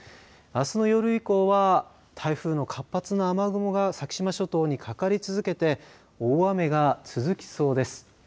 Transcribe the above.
あすの夜以降は台風の活発な雨雲が先島諸島にかかり続けて大雨が続きそうです。